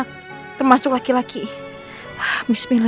ntar rina ke sekolah